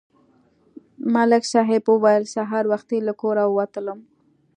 ملک صاحب ویل: سهار وختي له کوره ووتلم.